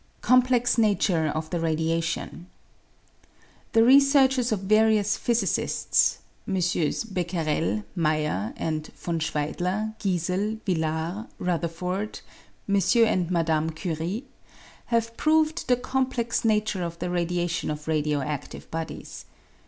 Complex Nature of the Radiation. The researches of various physicists (MM. Becquerel, Meyer and von Schweidler, Giesel, Villard, Rutherford, M. and Mdme. Curie) have proved the complex nature of the radiation of radio adtive bodies.